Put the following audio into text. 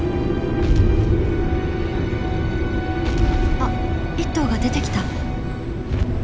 あっ１頭が出てきた。